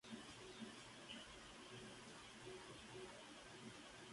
Su director actual es Conrado Rodríguez Martín.